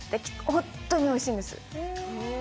ホントにおいしいんです。